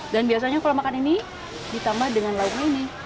dan biasanya kalau makan ini ditambah dengan lauk ini